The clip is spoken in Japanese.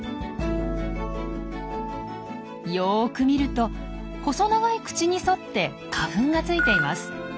よく見ると細長い口に沿って花粉がついています。